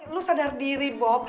lo sadar diri bob